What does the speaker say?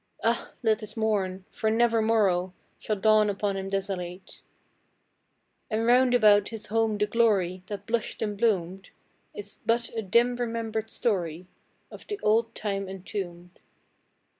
(Ah, let us mourn! for never morrow Shall dawn upon him desolate !) And round about his home the glory That blushed and bloomed, Is but a dim remembered story Of the old time entombed.